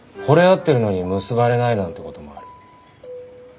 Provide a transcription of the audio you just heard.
合ってるのに結ばれないなんてこともある。